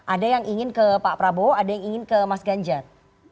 ada yang ingin ke pak prabowo ada yang ingin ke mas ganjar